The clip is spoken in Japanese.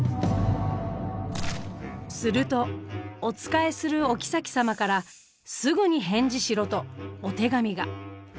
するとお仕えするお后様からすぐに返事しろとお手紙が。